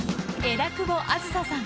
枝久保梓さん